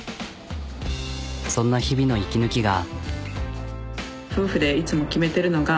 そんな日々の息抜きが。